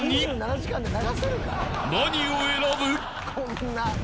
［何を選ぶ？］